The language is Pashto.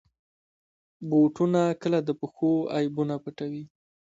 بوټونه کله د پښو عیبونه پټوي.